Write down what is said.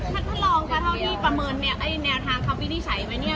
ถ้าท่านลองก็เท่าที่ประเมินแนวทางเขาวินิจฉัยไหมเนี่ย